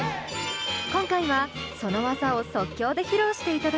今回はその技を即興で披露していただきます。